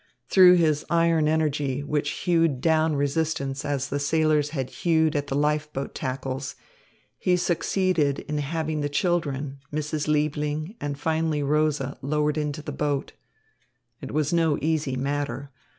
Through his iron energy, which hewed down resistance as the sailors had hewed at the life boat tackles, he succeeded in having the children, Mrs. Liebling, and finally Rosa lowered into the boat. It was no easy matter.